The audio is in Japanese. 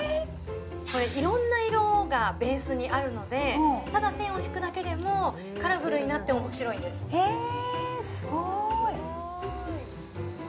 これいろんな色がベースにあるのでただ線を引くだけでもカラフルになって面白いんですへえ